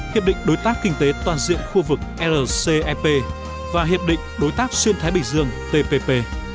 hiệp định đối tác kinh tế toàn diện khu vực rcep và hiệp định đối tác xuyên thái bình dương tpp